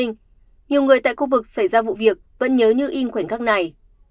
nhiều người tại khu vực xảy ra vụ việc vẫn nhớ như in khoảnh khắc này